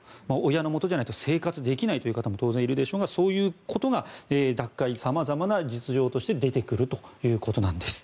親のもとにいないと生活できないという方も当然いるでしょうがそういうことがさまざまな実情として出てくるということです。